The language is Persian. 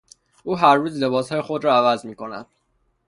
او هر روز لباسهای خود را عوض میکند.